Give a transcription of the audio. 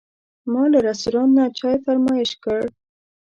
ما له رستورانت نه چای فرمایش کړ.